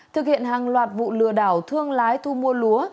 thực hiện hàng loạt vụ lừa đảo thương lái thu mua lúa